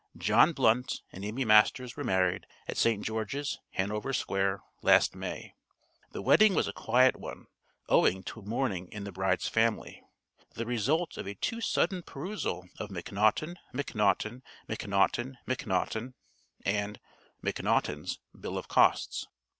John Blunt and Amy Masters were married at St. George's, Hanover Square, last May. The wedding was a quiet one owing to mourning in the bride's family the result of a too sudden perusal of Macnaughton, Macnaughton, Macnaughton, Macnaughton & Macnaughton's bill of costs.